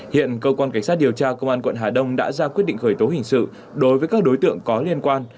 hiện cơ quan cảnh sát điều tra công an quận hà đông đã ra quyết định khởi tố hình sự đối với các đối tượng có liên quan